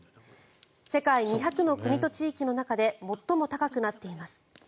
世界２００の国と地域の中で最も高くなっています。